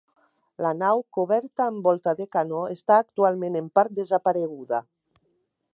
La nau, coberta amb volta de canó està actualment en part desapareguda.